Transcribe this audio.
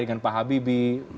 dengan pak habibie